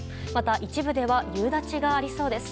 一部では夕立がありそうです。